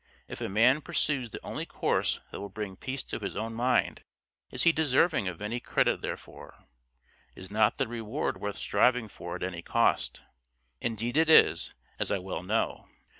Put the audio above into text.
If a man pursues the only course that will bring peace to his own mind, is he deserving of any credit therefor? Is not the reward worth striving for at any cost? Indeed it is, as I well know.